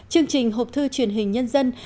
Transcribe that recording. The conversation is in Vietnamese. chương trình hộp thư truyền hình nhân dân